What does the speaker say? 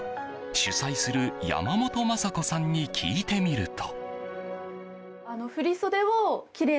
主催する山本昌子さんに聞いてみると。